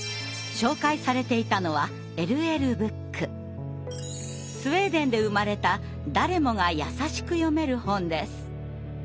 紹介されていたのはスウェーデンで生まれた誰もがやさしく読める本です。